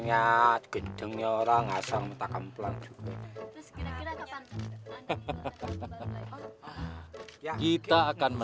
mbak gimana sih rahasianya anda bisa mendapatkan lima ratus ribu